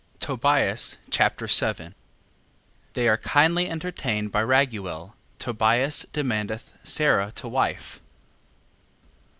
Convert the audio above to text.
Tobias Chapter 7 They are kindly entertained by Raguel. Tobias demandeth Sara to wife.